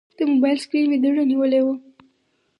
د موبایل سکرین مې دوړه نیولې وه.